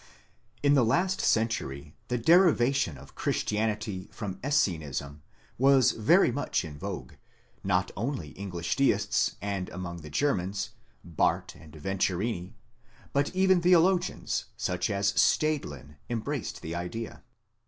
16 In the last century the derivation of Christianity from Essenism was very much in vogue; not only English deists, and among the Germans, Bahrdt and Venturini, but even theologians, such as Staudlin, embraced the idea."